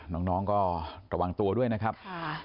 น้องก็ระวังตัวด้วยนะครับ